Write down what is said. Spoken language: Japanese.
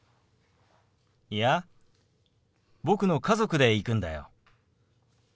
いや僕の家族で行くんだよ。